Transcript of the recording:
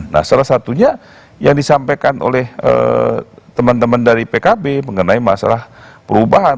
nah salah satunya yang disampaikan oleh teman teman dari pkb mengenai masalah perubahan